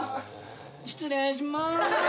失礼します。